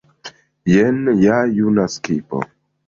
Jen ja juna skipo.